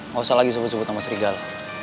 gak usah lagi sebut sebut sama serigal